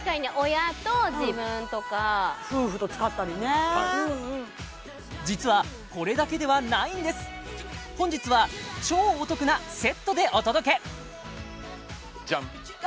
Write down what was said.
親と自分とか夫婦と使ったりね実はこれだけではないんです本日は超お得なセットでお届けジャン！